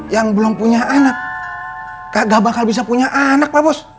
yang belum punya anak gak bakal bisa punya anak lah bos